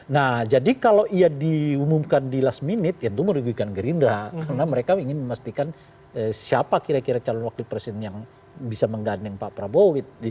nah jadi kalau ia diumumkan di last minute itu merugikan gerindra karena mereka ingin memastikan siapa kira kira calon wakil presiden yang bisa menggandeng pak prabowo